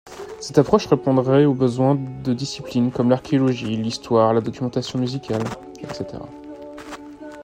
Cette approche répondrait aux besoins de disciplines comme l'archéologie, l'histoire, la documentation musicale, etc.